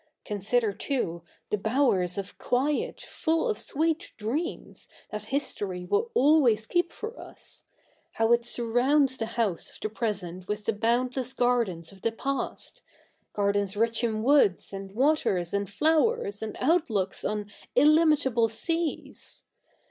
Consider, too, the bowers of (juiet, full of sweet dreams, that history will always keep for us— how it surrounds the house of the present with the boundless gardens of the past — gardens rich in woods, and waters, and flowers, and outlooks on illimitable seas.